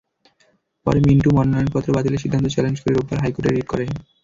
পরে মিন্টু মনোনয়নপত্র বাতিলের সিদ্ধান্ত চ্যালেঞ্জ করে রোববার হাইকোর্টে রিট আবেদন করেন।